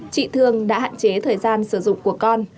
chị thương đã hạn chế thời gian sử dụng của con